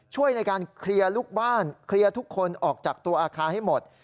ช่วยในการเคลียร์ลูกบ้านทุกคนออกจากตัวอาคาทั้งหมด